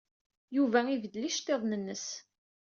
Yuba ibeddel iceḍḍiḍen-nnes.